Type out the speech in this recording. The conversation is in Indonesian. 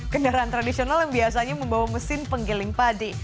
kendaraan tradisional yang biasanya membawa mesin penggiling padi